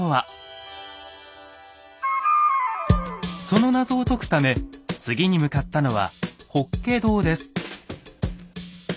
その謎を解くため次に向かったのは法華堂です。